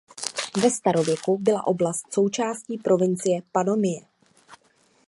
Ve starověku byla oblast součástí provincie Panonie.